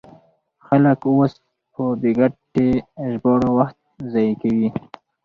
خلک اوس په بې ګټې ژباړو وخت ضایع کوي.